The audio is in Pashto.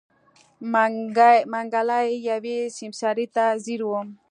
منګلی يوې سيمسارې ته ځير و.